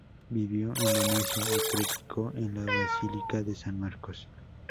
Vivió en Venecia y predicó en la Basílica de San Marcos.